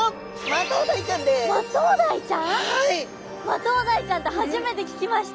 マトウダイちゃんって初めて聞きました。